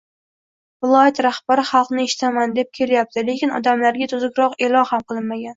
Viloyat raxbari xalqni eshitaman deb kelyapti lekin odamlarga tuzukroq eʼlon ham qilinmagan.